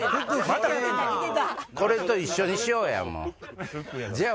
これと一緒にしようやもう。